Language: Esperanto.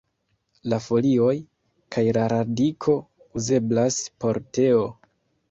La folioj kaj la radiko uzeblas por teo.